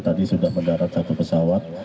tadi sudah mendarat satu pesawat